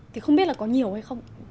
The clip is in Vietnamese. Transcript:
thì không biết là có nhiều hay không